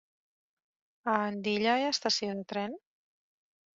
A Andilla hi ha estació de tren?